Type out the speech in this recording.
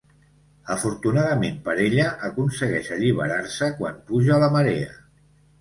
Afortunadament per ella, aconsegueix alliberar-se quan puja la marea.